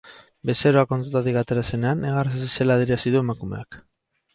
Bezeroa kontsultatik atera zenean, negarrez hasi zela adierazi du emakumeak.